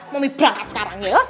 momi berangkat sekarang ya